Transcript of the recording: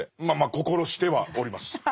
まあまあ心してはおります。